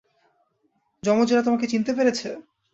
জমজরা তোমাকে চিনতে পেরেছে?